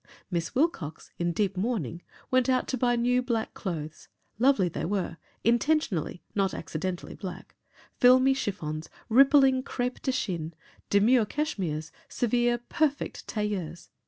Miss Wilcox, in deep mourning, went out to buy new black clothes lovely they were, intentionally, not accidentally black, filmy chiffons, rippling crêpe de chines, demure cashmeres, severe, perfect tailleurs.